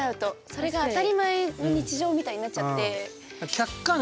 それが当たり前の日常みたいになっちゃって。